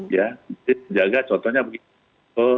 jadi jaga contohnya begitu